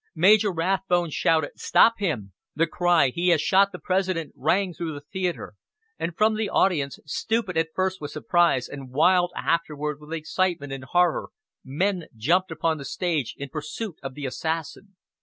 Major Rathbone shouted, "Stop him!" The cry, "He has shot the President!" rang through the theatre, and from the audience, stupid at first with surprise, and wild afterward with excitement and horror, men jumped upon the stage in pursuit of the assassin.